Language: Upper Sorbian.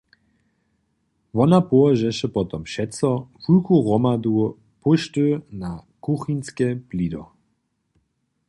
Wona połožeše potom přeco wulku hromadu póšty na kuchinske blido.